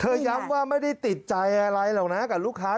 ย้ำว่าไม่ได้ติดใจอะไรหรอกนะกับลูกค้า